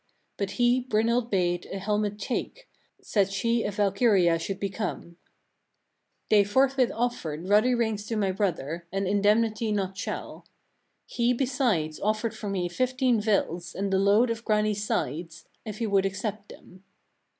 But he Brynhild bade a helmet take, said she a Valkyria should become. 22. They forthwith offered ruddy rings to my brother, and indemnity not small. He besides offered for me fifteen vills, and the load of Grani's sides, if he would accept them.